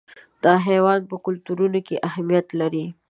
دا حیوان په کلتورونو کې اهمیت لري.